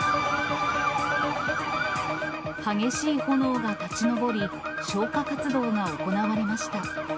激しい炎が立ち上り、消火活動が行われました。